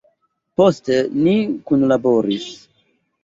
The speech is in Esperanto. Poste ni kunlaboris.